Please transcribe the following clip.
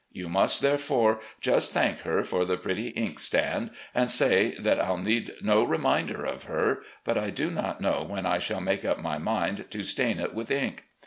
You must, therefore, just thank her for the pretty inkstand, and say that I'll need no reminder of her, but I do not know when I shall make up my mind to stain it with ink.